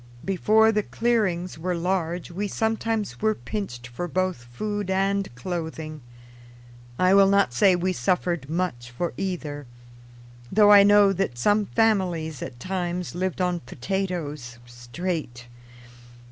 Before the clearings were large we sometimes were pinched for both food and clothing. I will not say we suffered much for either, though I know that some families at times lived on potatoes, straight.